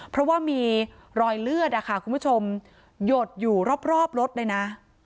เพราะว่ามีรอยเลือดนะคะคุณผู้ชมหยดอยู่รอบรถเลยนะ